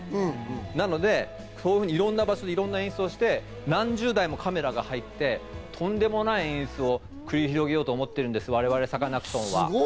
なので、いろんな場所にいろんな演出をして、何十台もカメラが入って、とんでもない演出を繰り広げようと思っているんです、我々サカナクションは。